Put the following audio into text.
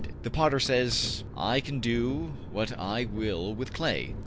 The potter says: ``I can do what I will with Clay.